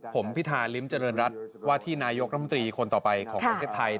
ผมพิธาลิ้มเจริญรัฐวาทินายกน้ำมันตรีคนต่อไปของเกษตรไทย